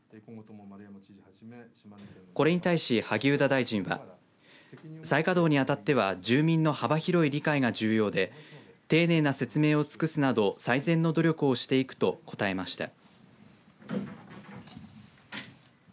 これに対し、萩生田大臣は再稼働にあたっては住民の幅広い理解が重要で丁寧な説明を尽くすなど最善の努力をしていくと答えました。